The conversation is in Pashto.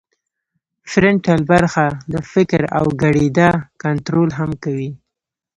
فرنټل برخه د فکر او ګړیدا کنترول هم کوي